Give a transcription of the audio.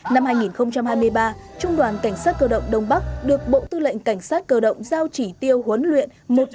năm hai nghìn hai mươi ba trung đoàn cảnh sát cơ động đông bắc được bộ tư lệnh cảnh sát cơ động giao chỉ tiêu huấn luyện